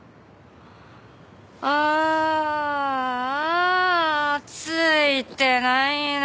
ああついてないなあ。